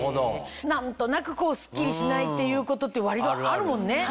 何となくスッキリしないっていうことって割とあるもんね。